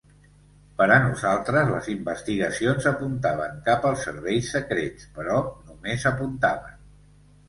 Per a nosaltres, les investigacions apuntaven cap als serveis secrets, però només apuntaven.